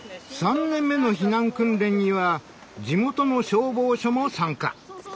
３年目の避難訓練には地元の消防署も参加。